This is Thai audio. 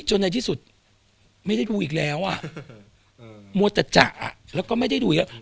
ในที่สุดไม่ได้ดูอีกแล้วอ่ะมัวแต่จะแล้วก็ไม่ได้ดูอีกแล้ว